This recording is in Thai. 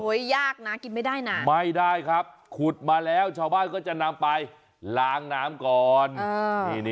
ยากนะกินไม่ได้นะไม่ได้ครับขุดมาแล้วชาวบ้านก็จะนำไปล้างน้ำก่อน